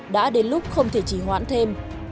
đã đến lúc không thể chỉ hoãn thêm